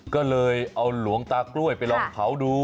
ก็เลยเอาหลวงตากล้วยไปลองเผาดู